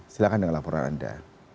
silakan dengan laporan anda